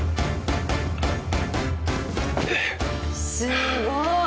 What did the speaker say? すごい。